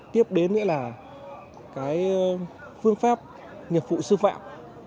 tiếp đến nữa là cái phương pháp nghiệp vụ sư phạm